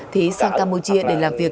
thí sang campuchia để làm việc